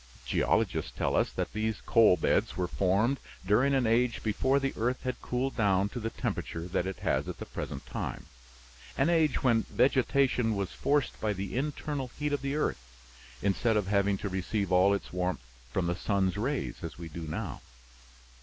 Geologists tell us that these coal beds were formed during an age before the earth had cooled down to the temperature that it has at the present time an age when vegetation was forced by the internal heat of the earth instead of having to receive all its warmth from the sun's rays as we do now.